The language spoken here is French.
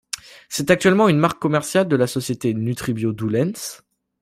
C'est actuellement une marque commerciale de la société Nutribio Doulens.